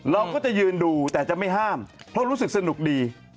เราก็จะยืนดูแต่จะไม่ห้ามเพราะรู้สึกสนุกดี